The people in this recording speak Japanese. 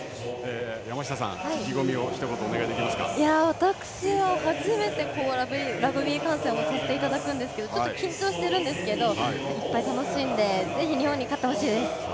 私は初めてラグビー観戦をさせていただくんですけどちょっと緊張しているんですがいっぱい楽しんでぜひ日本に勝ってほしいです。